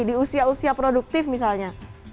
di usia usia produktif misalnya